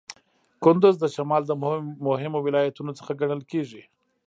کندز د شمال د مهمو ولایتونو څخه ګڼل کیږي.